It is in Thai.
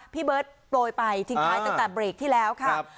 พี่เบิร์ตโปรยไปทิ้งท้ายตั้งแต่เบรกที่แล้วค่ะ